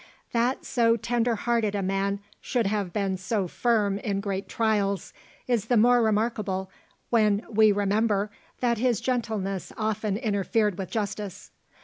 That so tender hearted a man should have been so firm in great trials, is the more remarkable when we remember that his gentleness often interfered with justice.